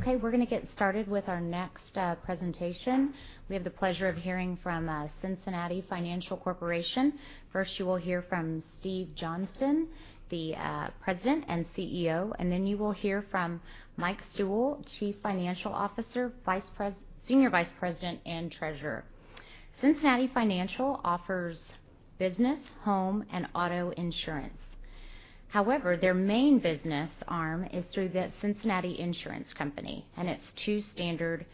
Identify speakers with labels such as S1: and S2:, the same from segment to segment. S1: Okay, we're going to get started with our next presentation. We have the pleasure of hearing from Cincinnati Financial Corporation. First, you will hear from Steve Johnston, the President and CEO, then you will hear from Mike Sewell, Chief Financial Officer, Senior Vice President, and Treasurer. Cincinnati Financial offers business, home, and auto insurance. However, their main business arm is through The Cincinnati Insurance Company and its two standard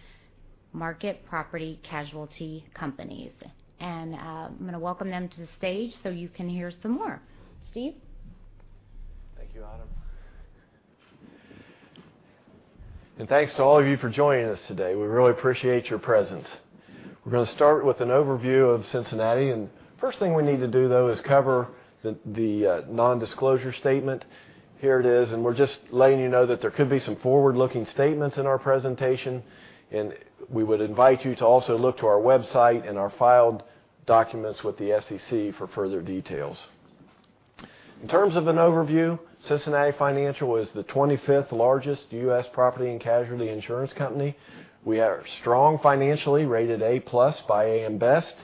S1: market property casualty companies. I'm going to welcome them to the stage so you can hear some more. Steve?
S2: Thank you, Autumn. Thanks to all of you for joining us today. We really appreciate your presence. We're going to start with an overview of Cincinnati, first thing we need to do, though, is cover the non-disclosure statement. Here it is. We're just letting you know that there could be some forward-looking statements in our presentation, we would invite you to also look to our website and our filed documents with the SEC for further details. In terms of an overview, Cincinnati Financial is the 25th largest U.S. property and casualty insurance company. We are strong financially, rated A+ by AM Best.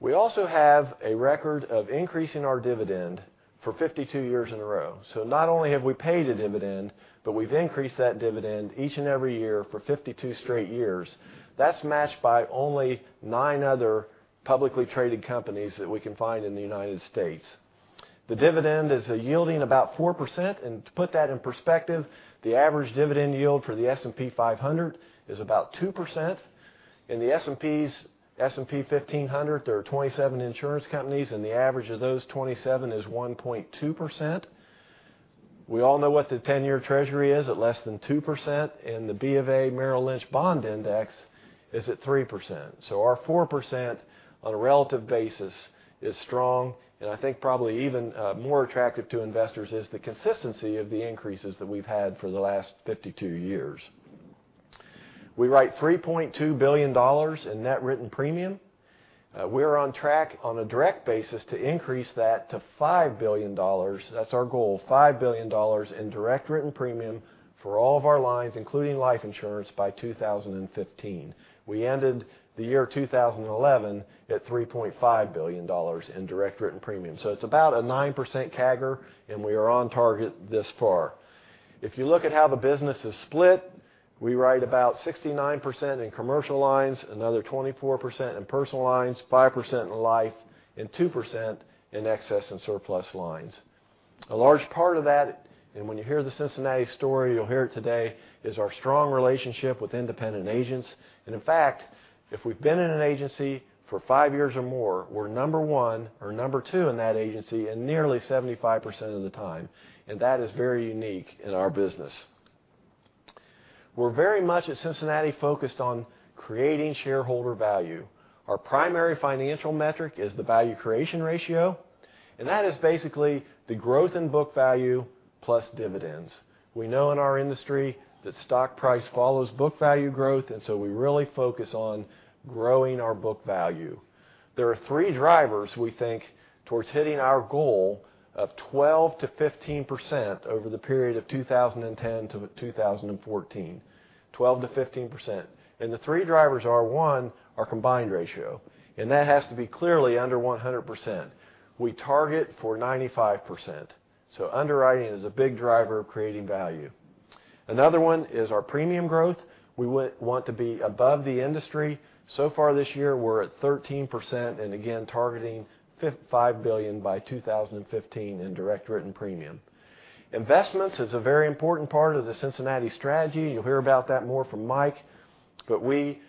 S2: We also have a record of increasing our dividend for 52 years in a row. Not only have we paid a dividend, but we've increased that dividend each and every year for 52 straight years. That's matched by only nine other publicly traded companies that we can find in the U.S. The dividend is yielding about 4%, to put that in perspective, the average dividend yield for the S&P 500 is about 2%. In the S&P 1500, there are 27 insurance companies, the average of those 27 is 1.2%. We all know what the 10-year Treasury is at less than 2%, the BofA Merrill Lynch Bond Index is at 3%. Our 4% on a relative basis is strong, I think probably even more attractive to investors is the consistency of the increases that we've had for the last 52 years. We write $3.2 billion in net written premium. We're on track on a direct basis to increase that to $5 billion. That's our goal, $5 billion in direct written premium for all of our lines, including life insurance, by 2015. We ended the year 2011 at $3.5 billion in direct written premium. It's about a 9% CAGR, we are on target thus far. If you look at how the business is split, we write about 69% in commercial lines, another 24% in personal lines, 5% in life, 2% in excess and surplus lines. A large part of that, when you hear the Cincinnati story, you'll hear it today, is our strong relationship with independent agents. In fact, if we've been in an agency for 5 years or more, we're number 1 or number 2 in that agency in nearly 75% of the time, that is very unique in our business. We're very much at Cincinnati focused on creating shareholder value. Our primary financial metric is the value creation ratio. That is basically the growth in book value plus dividends. We know in our industry that stock price follows book value growth. We really focus on growing our book value. There are three drivers we think towards hitting our goal of 12%-15% over the period of 2010 to 2014, 12%-15%. The three drivers are, one, our combined ratio. That has to be clearly under 100%. We target for 95%. Underwriting is a big driver of creating value. Another one is our premium growth. We want to be above the industry. So far this year, we're at 13% and again, targeting $5 billion by 2015 in direct written premium. Investments is a very important part of the Cincinnati strategy. You'll hear about that more from Mike. We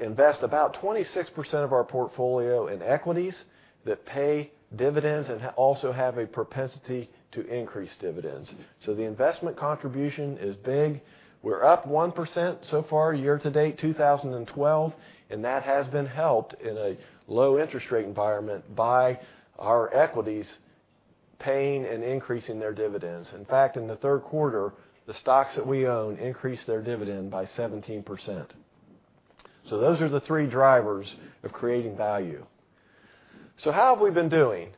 S2: invest about 26% of our portfolio in equities that pay dividends and also have a propensity to increase dividends. The investment contribution is big. We're up 1% so far year-to-date 2012, and that has been helped in a low interest rate environment by our equities paying and increasing their dividends. In fact, in the third quarter, the stocks that we own increased their dividend by 17%. Those are the three drivers of creating value. How have we been doing?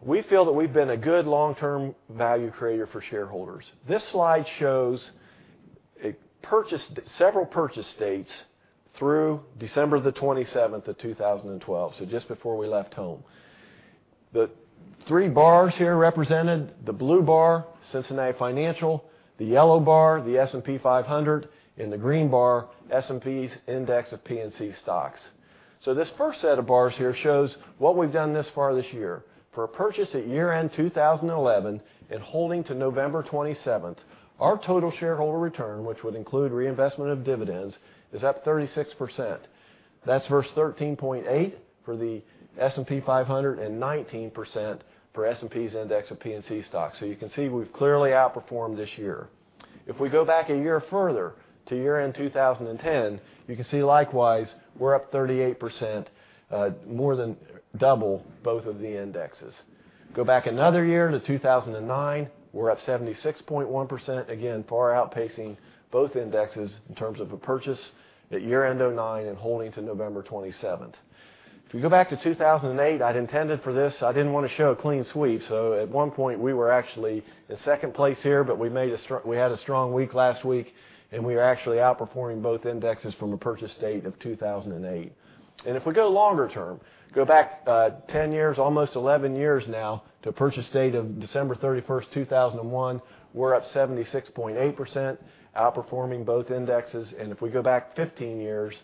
S2: We feel that we've been a good long-term value creator for shareholders. This slide shows several purchase dates through December 27th, 2012. Just before we left home. The three bars here represented, the blue bar, Cincinnati Financial, the yellow bar, the S&P 500, and the green bar, S&P's index of P&C stocks. This first set of bars here shows what we've done thus far this year. For a purchase at year-end 2011 and holding to November 27th, our total shareholder return, which would include reinvestment of dividends, is up 36%. That's versus 13.8% for the S&P 500 and 19% for S&P's index of P&C stocks. You can see we've clearly outperformed this year. If we go back a year further to year-end 2010, you can see likewise, we're up 38%, more than double both of the indexes. Go back another year to 2009, we're up 76.1%, again, far outpacing both indexes in terms of a purchase at year-end 2009 and holding to November 27th. If you go back to 2008, I'd intended for this. I didn't want to show a clean sweep. At one point we were actually in second place here, but we had a strong week last week, and we are actually outperforming both indexes from a purchase date of 2008. If we go longer term, go back 10 years, almost 11 years now, to purchase date of December 31st, 2001, we're up 76.8%, outperforming both indexes. If we go back 15 years,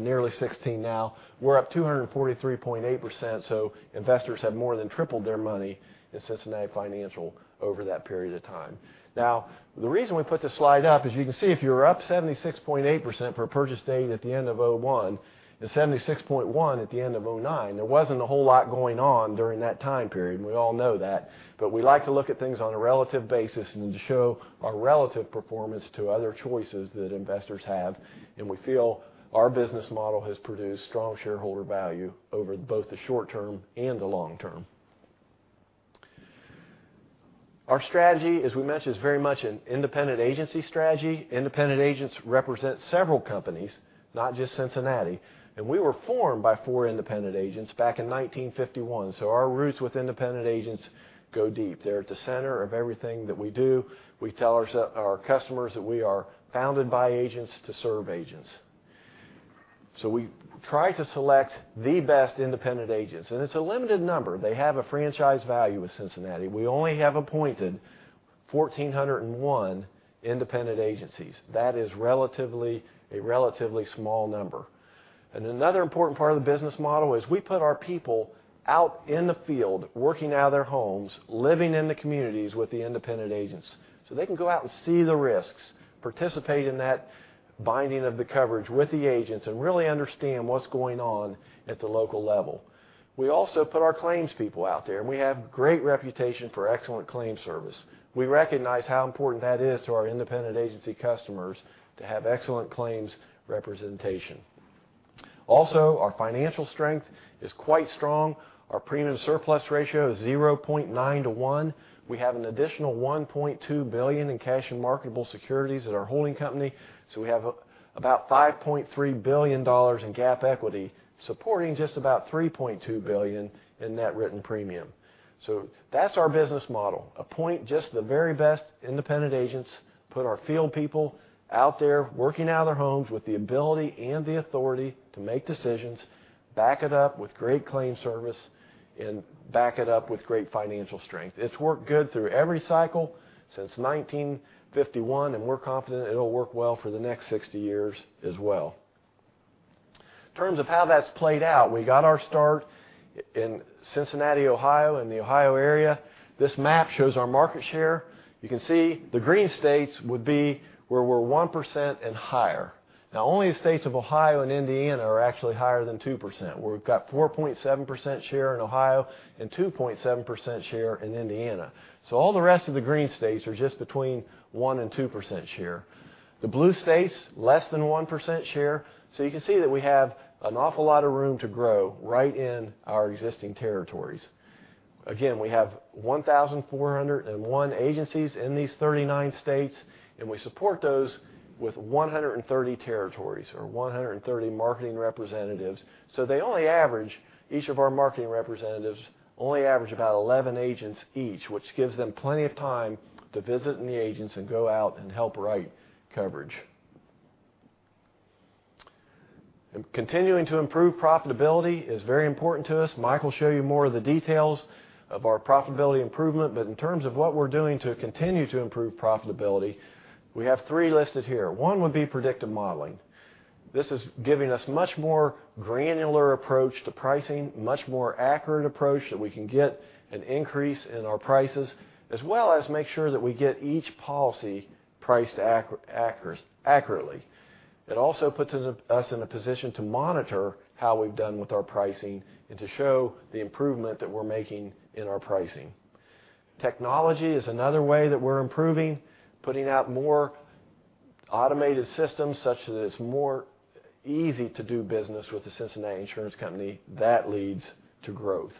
S2: nearly 16 now, we're up 243.8%. Investors have more than tripled their money in Cincinnati Financial over that period of time. The reason we put this slide up is you can see if you were up 76.8% for a purchase date at the end of 2001 and 76.1% at the end of 2009, there wasn't a whole lot going on during that time period. We all know that, but we like to look at things on a relative basis and to show our relative performance to other choices that investors have. We feel our business model has produced strong shareholder value over both the short term and the long term. Our strategy, as we mentioned, is very much an independent agency strategy. Independent agents represent several companies, not just Cincinnati, and we were formed by four independent agents back in 1951. Our roots with independent agents go deep. They're at the center of everything that we do. We tell our customers that we are founded by agents to serve agents. We try to select the best independent agents, and it's a limited number. They have a franchise value with Cincinnati. We only have appointed 1,401 independent agencies. That is a relatively small number. And another important part of the business model is we put our people out in the field, working out of their homes, living in the communities with the independent agents so they can go out and see the risks, participate in that binding of the coverage with the agents, and really understand what's going on at the local level. We also put our claims people out there, and we have great reputation for excellent claim service. We recognize how important that is to our independent agency customers to have excellent claims representation. Also, our financial strength is quite strong. Our premium to surplus ratio is 0.9 to one. We have an additional $1.2 billion in cash and marketable securities at our holding company. We have about $5.3 billion in GAAP equity, supporting just about $3.2 billion in net written premium. That's our business model. Appoint just the very best independent agents, put our field people out there working out of their homes with the ability and the authority to make decisions, back it up with great claim service, and back it up with great financial strength. It's worked good through every cycle since 1951, and we're confident it'll work well for the next 60 years as well. In terms of how that's played out, we got our start in Cincinnati, Ohio, in the Ohio area. This map shows our market share. You can see the green states would be where we're 1% and higher. Only the states of Ohio and Indiana are actually higher than 2%, where we've got 4.7% share in Ohio and 2.7% share in Indiana. All the rest of the green states are just between one and 2% share. The blue states, less than 1% share. You can see that we have an awful lot of room to grow right in our existing territories. Again, we have 1,401 agencies in these 39 states, and we support those with 130 territories or 130 marketing representatives. Each of our marketing representatives only average about 11 agents each, which gives them plenty of time to visit the agents and go out and help write coverage. Continuing to improve profitability is very important to us. Mike will show you more of the details of our profitability improvement, but in terms of what we're doing to continue to improve profitability, we have three listed here. One would be predictive modeling. This is giving us much more granular approach to pricing, much more accurate approach that we can get an increase in our prices as well as make sure that we get each policy priced accurately. It also puts us in a position to monitor how we've done with our pricing and to show the improvement that we're making in our pricing. Technology is another way that we're improving, putting out more automated systems such that it's more easy to do business with The Cincinnati Insurance Company. That leads to growth.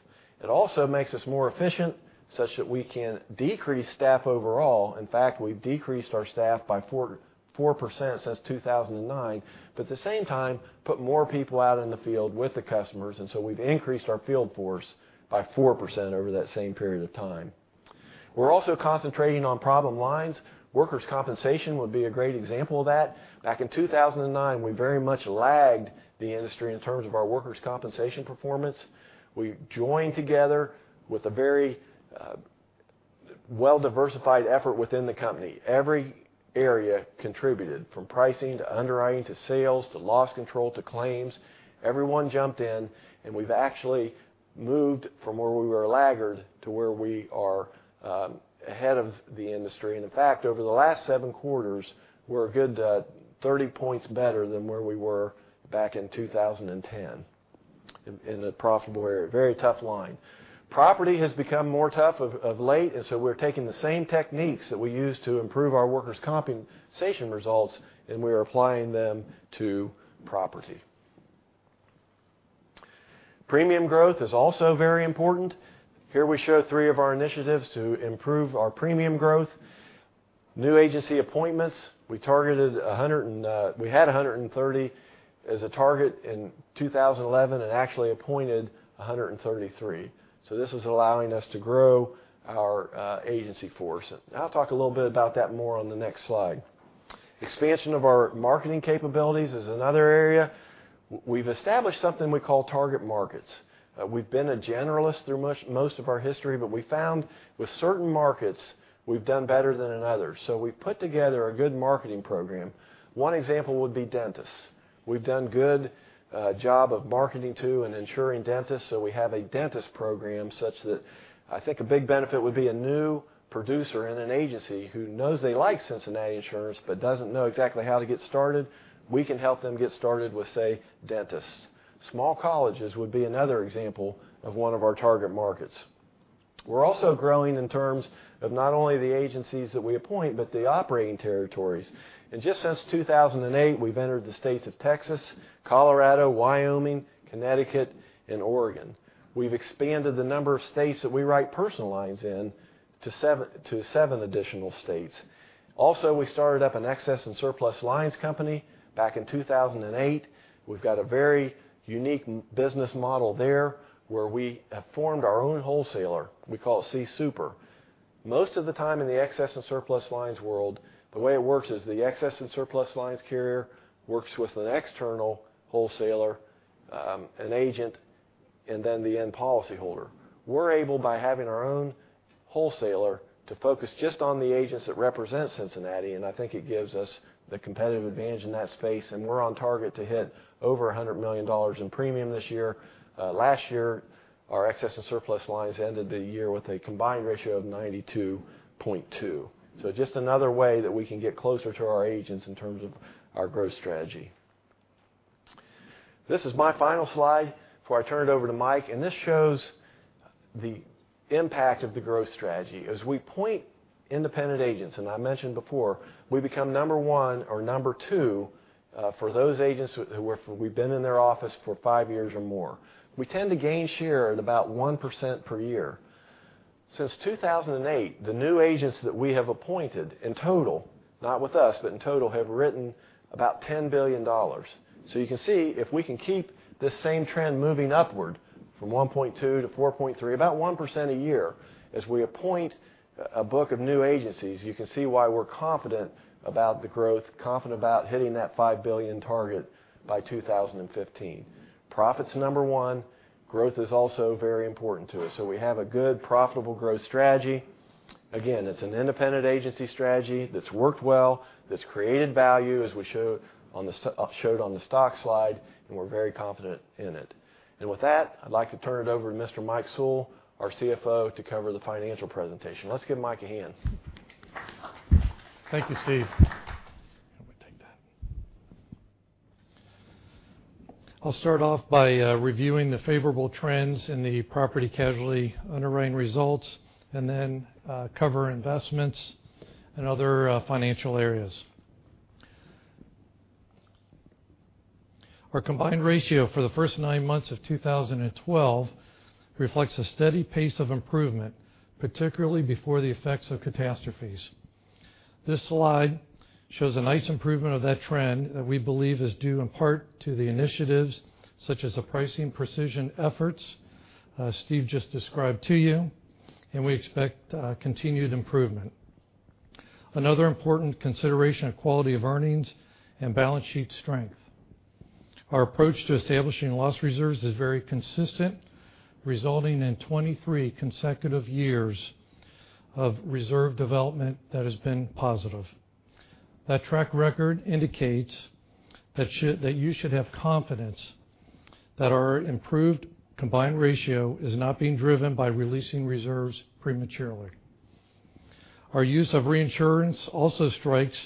S2: It also makes us more efficient, such that we can decrease staff overall. In fact, we've decreased our staff by 4% since 2009, but at the same time, put more people out in the field with the customers, and so we've increased our field force by 4% over that same period of time. We're also concentrating on problem lines. Workers' compensation would be a great example of that. Back in 2009, we very much lagged the industry in terms of our workers' compensation performance. We joined together with a very well-diversified effort within the company. Every area contributed, from pricing to underwriting to sales to loss control to claims. Everyone jumped in, and we've actually moved from where we were a laggard to where we are ahead of the industry. In fact, over the last seven quarters, we're a good 30 points better than where we were back in 2010 in the profitable area. Very tough line. Property has become more tough of late. We're taking the same techniques that we used to improve our workers' compensation results, and we're applying them to property. Premium growth is also very important. Here we show three of our initiatives to improve our premium growth. New agency appointments. We had 130 as a target in 2011, and actually appointed 133. This is allowing us to grow our agency force. I'll talk a little bit about that more on the next slide. Expansion of our marketing capabilities is another area. We've established something we call target markets. We've been a generalist through most of our history, but we found with certain markets, we've done better than in others. We've put together a good marketing program. One example would be dentists. We've done a good job of marketing to and insuring dentists, so we have a dentist program such that I think a big benefit would be a new producer in an agency who knows they like Cincinnati Insurance but doesn't know exactly how to get started. We can help them get started with, say, dentists. Small colleges would be another example of one of our target markets. We're also growing in terms of not only the agencies that we appoint, but the operating territories. Just since 2008, we've entered the states of Texas, Colorado, Wyoming, Connecticut, and Oregon. We've expanded the number of states that we write personal lines in to seven additional states. Also, we started up an excess and surplus lines company back in 2008. We've got a very unique business model there, where we have formed our own wholesaler. We call it CSU Producer Resources. Most of the time in the excess and surplus lines world, the way it works is the excess and surplus lines carrier works with an external wholesaler, an agent, and then the end policyholder. We're able by having our own wholesaler to focus just on the agents that represent Cincinnati, and I think it gives us the competitive advantage in that space, and we're on target to hit over $100 million in premium this year. Last year, our excess and surplus lines ended the year with a combined ratio of 92.2%. Just another way that we can get closer to our agents in terms of our growth strategy. This is my final slide before I turn it over to Mike, and this shows the impact of the growth strategy. As we appoint independent agents, and I mentioned before, we become number one or number two for those agents where we've been in their office for five years or more. We tend to gain share at about 1% per year. Since 2008, the new agents that we have appointed in total, not with us, but in total, have written about $10 billion. You can see, if we can keep this same trend moving upward from 1.2% to 4.3%, about 1% a year, as we appoint a book of new agencies, you can see why we're confident about the growth, confident about hitting that $5 billion target by 2015. Profit's number one. Growth is also very important to us. We have a good, profitable growth strategy. Again, it's an independent agency strategy that's worked well, that's created value as we showed on the stock slide, and we're very confident in it. With that, I'd like to turn it over to Mr. Mike Sewell, our CFO, to cover the financial presentation. Let's give Mike a hand.
S3: Thank you, Steve. Let me take that. I'll start off by reviewing the favorable trends in the property casualty underwriting results and then cover investments and other financial areas. Our combined ratio for the first nine months of 2012 reflects a steady pace of improvement, particularly before the effects of catastrophes. This slide shows a nice improvement of that trend that we believe is due in part to the initiatives such as the pricing precision efforts Steve just described to you, and we expect continued improvement. Another important consideration of quality of earnings and balance sheet strength. Our approach to establishing loss reserves is very consistent, resulting in 23 consecutive years of reserve development that has been positive. That track record indicates that you should have confidence that our improved combined ratio is not being driven by releasing reserves prematurely. Our use of reinsurance also strikes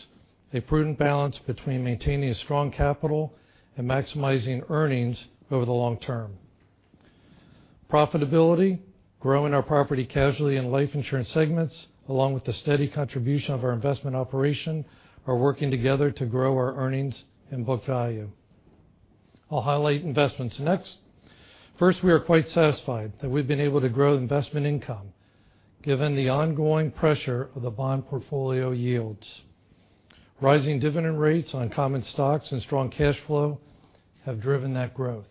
S3: a prudent balance between maintaining a strong capital and maximizing earnings over the long term. Profitability, growing our property casualty and life insurance segments, along with the steady contribution of our investment operation, are working together to grow our earnings and book value. I'll highlight investments next. First, we are quite satisfied that we've been able to grow investment income, given the ongoing pressure of the bond portfolio yields. Rising dividend rates on common stocks and strong cash flow have driven that growth.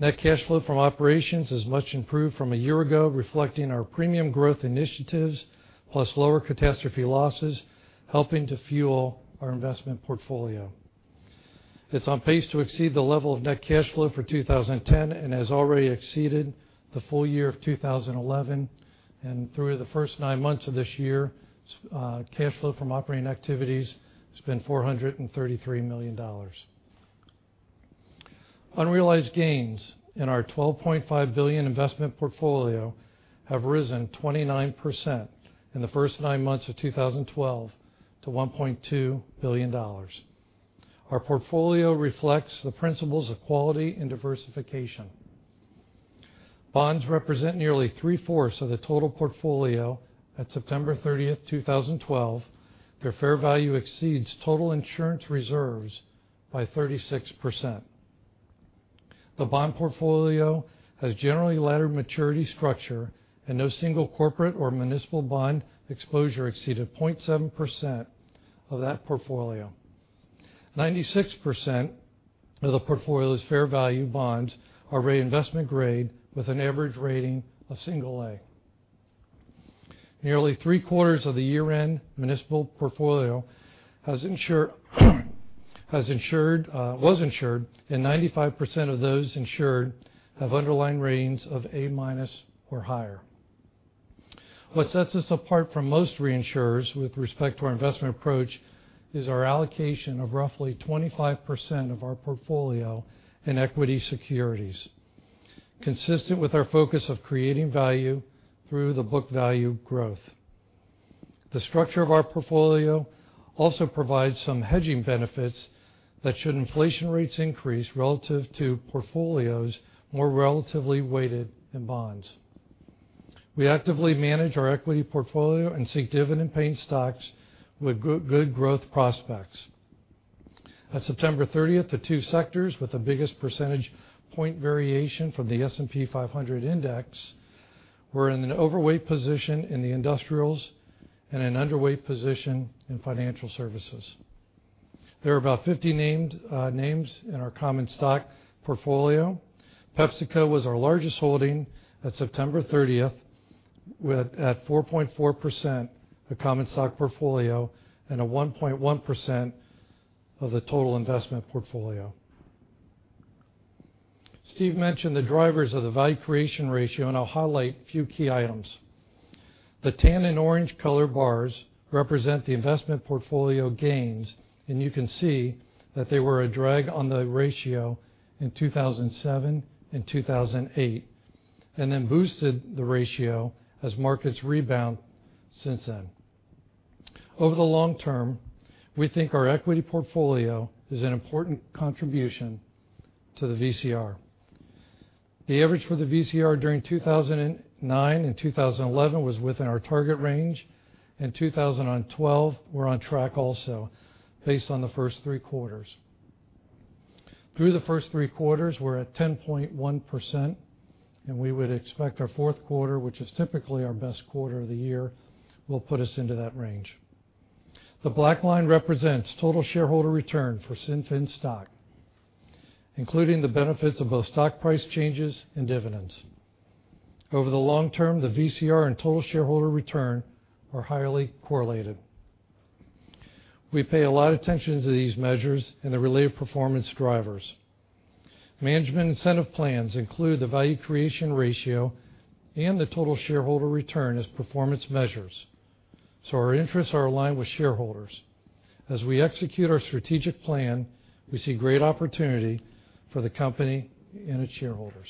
S3: Net cash flow from operations is much improved from a year ago, reflecting our premium growth initiatives, plus lower catastrophe losses helping to fuel our investment portfolio. It's on pace to exceed the level of net cash flow for 2010 and has already exceeded the full year of 2011. Through the first nine months of this year, cash flow from operating activities has been $433 million. Unrealized gains in our $12.5 billion investment portfolio have risen 29% in the first nine months of 2012 to $1.2 billion. Our portfolio reflects the principles of quality and diversification. Bonds represent nearly three-fourths of the total portfolio at September 30th, 2012. Their fair value exceeds total insurance reserves by 36%. The bond portfolio has generally laddered maturity structure, and no single corporate or municipal bond exposure exceeded 0.7% of that portfolio. 96% of the portfolio's fair value bonds are rated investment grade with an average rating of single A. Nearly three-quarters of the year-end municipal portfolio was insured, and 95% of those insured have underlying ratings of A minus or higher. What sets us apart from most reinsurers with respect to our investment approach is our allocation of roughly 25% of our portfolio in equity securities, consistent with our focus of creating value through the book value growth. The structure of our portfolio also provides some hedging benefits that should inflation rates increase relative to portfolios more relatively weighted in bonds. We actively manage our equity portfolio and seek dividend-paying stocks with good growth prospects. On September 30th, the two sectors with the biggest percentage point variation from the S&P 500 index were in an overweight position in the industrials and an underweight position in financial services. There are about 50 names in our common stock portfolio. PepsiCo was our largest holding at September 30th at 4.4% of common stock portfolio and a 1.1% of the total investment portfolio. Steve mentioned the drivers of the value creation ratio, and I'll highlight a few key items. The tan and orange color bars represent the investment portfolio gains, and you can see that they were a drag on the ratio in 2007 and 2008, and then boosted the ratio as markets rebound since then. Over the long term, we think our equity portfolio is an important contribution to the VCR. The average for the VCR during 2009 and 2011 was within our target range. In 2012, we're on track also based on the first three quarters. Through the first three quarters, we're at 10.1%, and we would expect our fourth quarter, which is typically our best quarter of the year, will put us into that range. The black line represents total shareholder return for CinFin stock, including the benefits of both stock price changes and dividends. Over the long term, the VCR and total shareholder return are highly correlated. We pay a lot of attention to these measures and the related performance drivers. Management incentive plans include the value creation ratio and the total shareholder return as performance measures. Our interests are aligned with shareholders. As we execute our strategic plan, we see great opportunity for the company and its shareholders.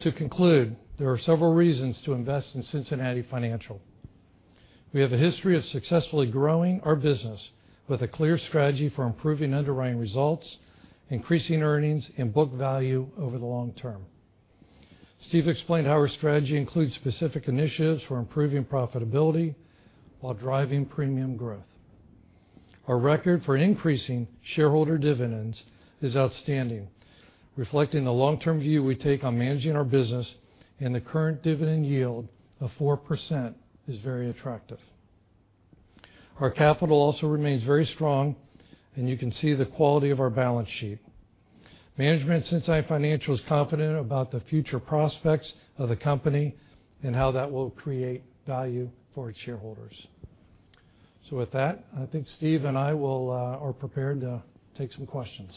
S3: To conclude, there are several reasons to invest in Cincinnati Financial. We have a history of successfully growing our business with a clear strategy for improving underwriting results, increasing earnings and book value over the long term. Steve explained how our strategy includes specific initiatives for improving profitability while driving premium growth. Our record for increasing shareholder dividends is outstanding, reflecting the long-term view we take on managing our business, and the current dividend yield of 4% is very attractive. Our capital also remains very strong, and you can see the quality of our balance sheet. Management at Cincinnati Financial is confident about the future prospects of the company and how that will create value for its shareholders. With that, I think Steve and I are prepared to take some questions.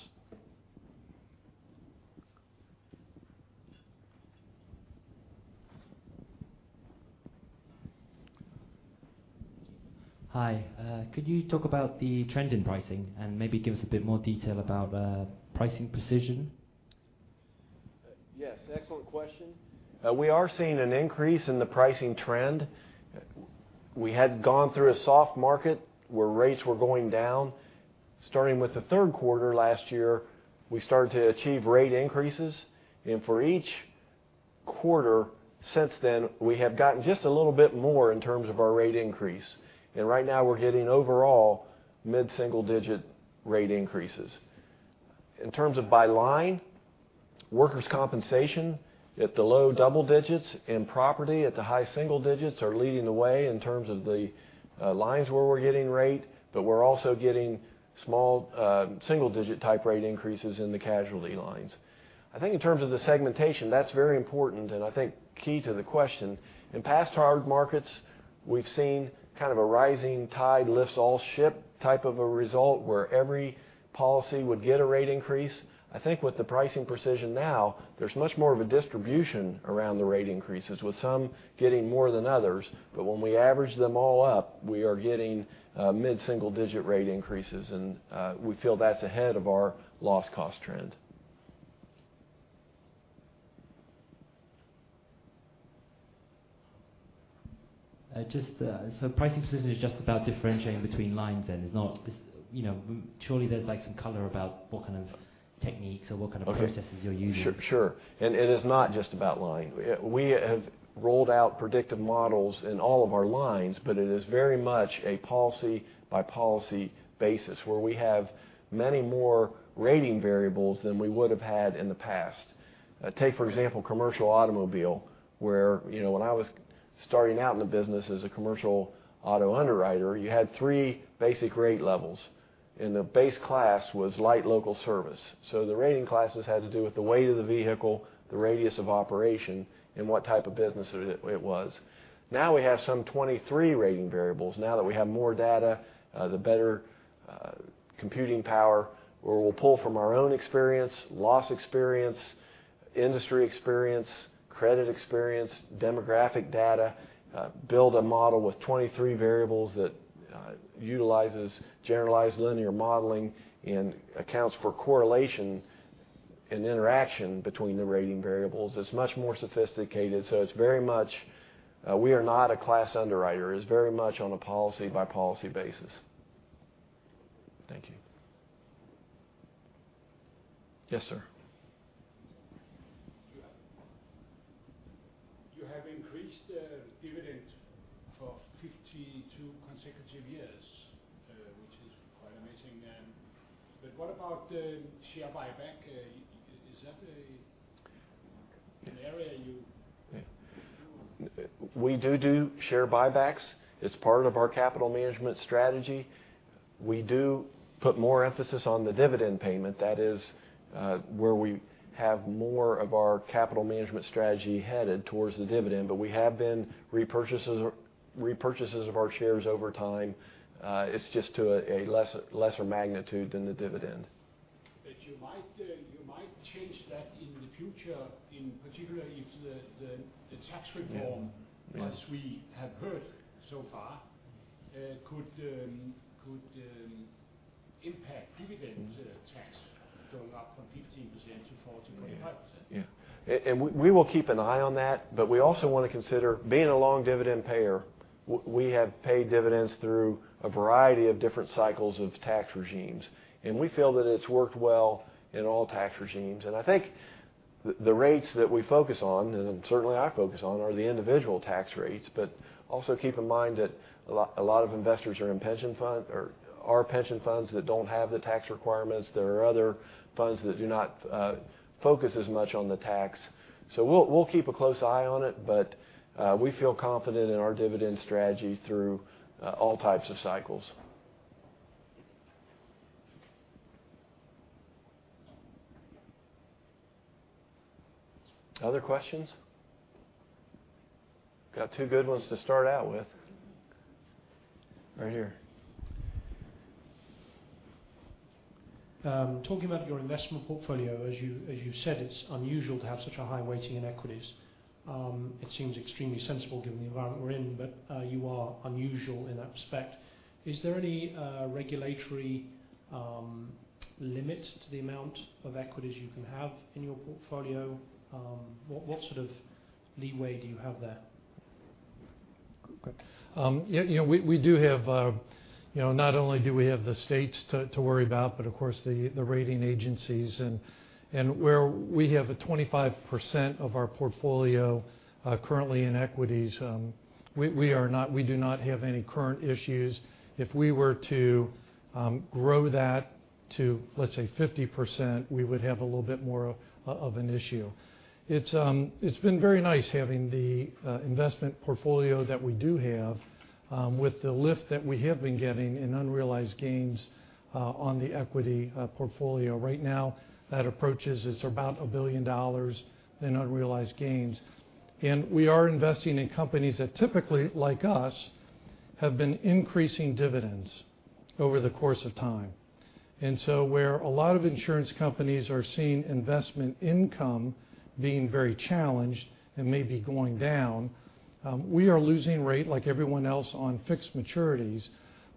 S1: Hi. Could you talk about the trend in pricing and maybe give us a bit more detail about pricing precision?
S2: Yes, excellent question. We are seeing an increase in the pricing trend. We had gone through a soft market where rates were going down. Starting with the third quarter last year, we started to achieve rate increases, and for each quarter since then, we have gotten just a little bit more in terms of our rate increase. Right now we're hitting overall mid-single digit rate increases. In terms of by line, workers' compensation at the low double digits, and property at the high single digits are leading the way in terms of the lines where we're getting rate, but we're also getting small single digit type rate increases in the casualty lines. I think in terms of the segmentation, that's very important and I think key to the question. In past hard markets, we've seen kind of a rising tide lifts all ships type of a result where every policy would get a rate increase. I think with the pricing precision now, there's much more of a distribution around the rate increases with some getting more than others. When we average them all up, we are getting mid-single digit rate increases, and we feel that's ahead of our loss cost trend.
S4: Just so pricing precision is just about differentiating between lines then. Surely there's some color about what kind of techniques or what kind of processes you're using?
S2: Sure. Sure. It is not just about line. We have rolled out predictive models in all of our lines, but it is very much a policy-by-policy basis, where we have many more rating variables than we would've had in the past. Take, for example, commercial automobile, where when I was starting out in the business as a commercial auto underwriter, you had three basic rate levels, and the base class was light local service. The rating classes had to do with the weight of the vehicle, the radius of operation, and what type of business it was. Now we have some 23 rating variables. Now that we have more data, the better computing power, where we'll pull from our own experience, loss experience, industry experience, credit experience, demographic data, build a model with 23 variables that utilizes generalized linear modeling and accounts for correlation and interaction between the rating variables. It's much more sophisticated. We are not a class underwriter. It's very much on a policy-by-policy basis. Thank you. Yes, sir.
S4: You have increased dividend for 52 consecutive years, which is quite amazing. What about share buyback? Is that an area you want to-
S2: We do share buybacks. It's part of our capital management strategy. We do put more emphasis on the dividend payment. That is where we have more of our capital management strategy headed, towards the dividend. We have been repurchasers of our shares over time. It's just to a lesser magnitude than the dividend.
S4: You might change that in the future, in particular if the tax reform-
S2: Yes
S4: as we have heard so far, could impact dividends tax going up from 15% to 40%, 45%.
S2: Yeah. We will keep an eye on that, but we also want to consider being a long dividend payer. We have paid dividends through a variety of different cycles of tax regimes, we feel that it's worked well in all tax regimes. I think the rates that we focus on, and certainly I focus on, are the individual tax rates. Also keep in mind that a lot of investors are pension funds that don't have the tax requirements. There are other funds that do not focus as much on the tax. We'll keep a close eye on it, but we feel confident in our dividend strategy through all types of cycles. Other questions? Got two good ones to start out with. Right here.
S4: Talking about your investment portfolio, as you said, it's unusual to have such a high weighting in equities. It seems extremely sensible given the environment we're in, but you are unusual in that respect. Is there any regulatory limit to the amount of equities you can have in your portfolio? What sort of leeway do you have there? Greg.
S3: Not only do we have the states to worry about, but of course, the rating agencies. Where we have a 25% of our portfolio currently in equities, we do not have any current issues. If we were to grow that to, let's say, 50%, we would have a little bit more of an issue. It's been very nice having the investment portfolio that we do have with the lift that we have been getting in unrealized gains on the equity portfolio. Right now, that approaches about $1 billion in unrealized gains. We are investing in companies that typically, like us, have been increasing dividends over the course of time. Where a lot of insurance companies are seeing investment income being very challenged and may be going down, we are losing rate like everyone else on fixed maturities.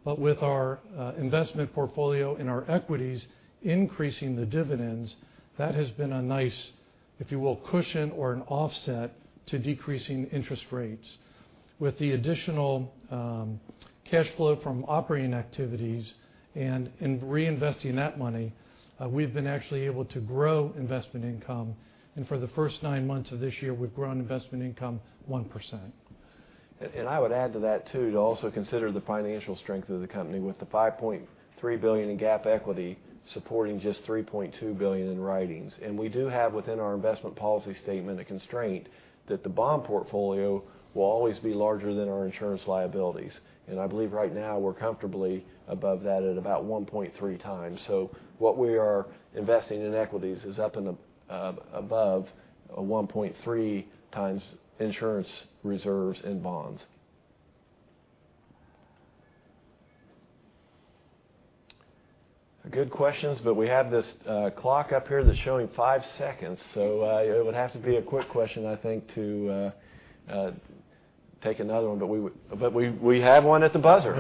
S3: With our investment portfolio and our equities increasing the dividends, that has been a nice, if you will, cushion or an offset to decreasing interest rates. With the additional cash flow from operating activities and in reinvesting that money, we've been actually able to grow investment income, and for the first nine months of this year, we've grown investment income 1%.
S2: I would add to that, too, to also consider the financial strength of the company with the $5.3 billion in GAAP equity supporting just $3.2 billion in writings. We do have within our investment policy statement a constraint that the bond portfolio will always be larger than our insurance liabilities. I believe right now we're comfortably above that at about 1.3 times. What we are investing in equities is up above a 1.3 times insurance reserves and bonds. Good questions, we have this clock up here that's showing five seconds. It would have to be a quick question, I think, to take another one. We have one at the buzzer.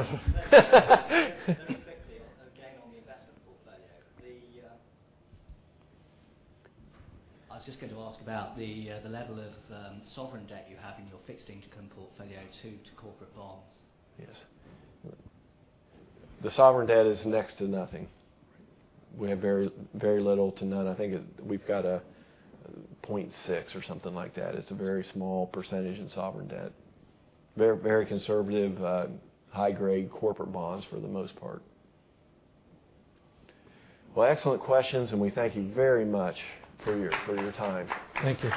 S4: Very quickly, again, on the investment portfolio. I was just going to ask about the level of sovereign debt you have in your fixed income portfolio to corporate bonds.
S2: Yes. The sovereign debt is next to nothing. We have very little to none. I think we've got a 0.6 or something like that. It's a very small percentage in sovereign debt. Very conservative, high-grade corporate bonds for the most part. Well, excellent questions, we thank you very much for your time.
S3: Thank you